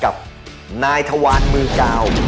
กับนายทวารมือกาว